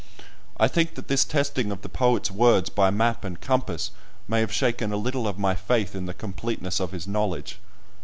I think that this testing of the poet's words by map and compass may have shaken a little of my faith in the completeness of his knowledge.